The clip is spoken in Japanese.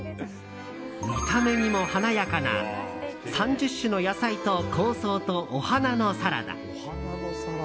見た目にも華やかな３０種の野菜と香草とお花のサラダ。